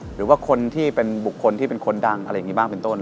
หรือว่าคนที่เป็นบุคคลที่เป็นคนดังอะไรอย่างนี้บ้างเป็นต้น